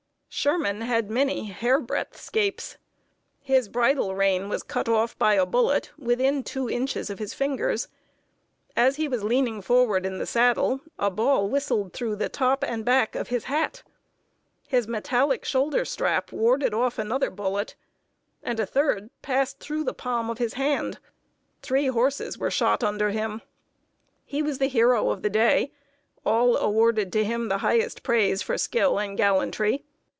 Sherman had many hair breadth 'scapes. His bridle rein was cut off by a bullet within two inches of his fingers. As he was leaning forward in the saddle, a ball whistled through the top and back of his hat. His metallic shoulder strap warded off another bullet, and a third passed through the palm of his hand. Three horses were shot under him. He was the hero of the day. All awarded to him the highest praise for skill and gallantry.